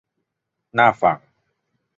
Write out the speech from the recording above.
น่าฟัง